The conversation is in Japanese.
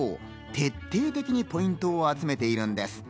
徹底的にポイントを集めているんです。